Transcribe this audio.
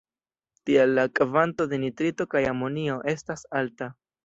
Tial la kvanto de nitrito kaj amonio estas alta.